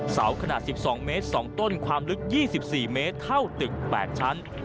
เสาขนาด๑๒เมตร๒ต้นความลึก๒๔เมตรเท่าตึก๘ชั้น